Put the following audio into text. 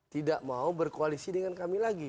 tidak mau berkoalisi dengan kami lagi